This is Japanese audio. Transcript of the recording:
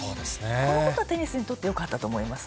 このことはテニスにとってよかったと思います。